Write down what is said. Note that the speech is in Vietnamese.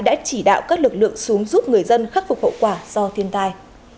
đã chỉ đạo các lực lượng xuống giúp người dân khắc phục hậu quả do thiên tai